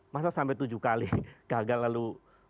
masa sampai tujuh kali gagal lalu